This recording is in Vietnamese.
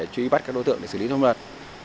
chỉ bắt các đối tượng để xử lý thông luật